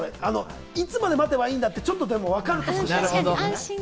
いつまで待てばいいんだって、ちょっとでも分かるとね。